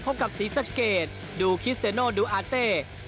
พบกับศรีสเกตดูคริสเตนโนะดูอาเตะ